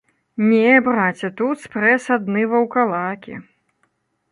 Не, браце, тут спрэс адны ваўкалакі.